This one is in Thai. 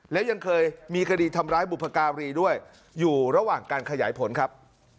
และยังเคยมีคดีทำร้ายบุพการีด้วยอยู่ระหว่างการขยายผลครับ